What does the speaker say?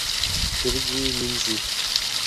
وريجي مينځي